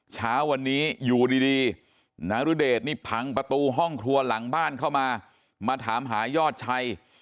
เช้าวันนี้อยู่ดีนารุเดชนี่พังประตูห้องครัวหลังบ้านเข้ามามาถามหายอดชัย